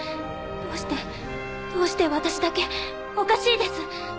どうしてどうして私だけおかしいです。